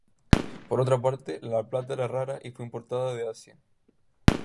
Por otra parte, la plata era rara y fue importada de Asia.